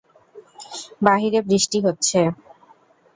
বাহিরে বৃষ্টি হচ্ছে।